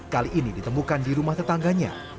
kali ini ditemukan di rumah tetangganya